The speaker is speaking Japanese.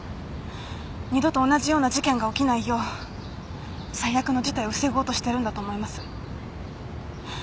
二度と同じような事件が起きないよう最悪の事態を防ごうとしてるんだと思います。